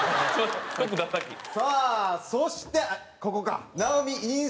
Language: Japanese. さあそしてここか。